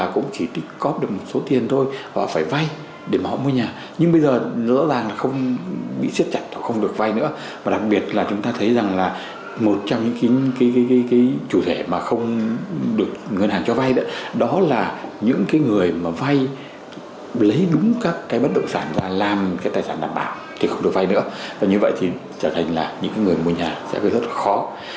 cái tài sản đảm bảo thì không được vay nữa và như vậy thì trở thành là những người mua nhà sẽ rất khó